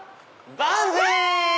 バンジー！